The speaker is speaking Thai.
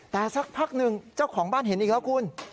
แต่สักพักหนึ่งเจ้าของบ้านเห็นอีกแล้วคุณ